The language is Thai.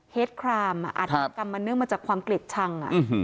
เหตุครามอ่ะอาทิตย์กรรมมันเนื่องมาจากความกลิ่นชังอ่ะอืม